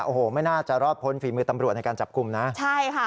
โอ้โหไม่น่าจะรอดพ้นฝีมือตำรวจในการจับกลุ่มนะใช่ค่ะ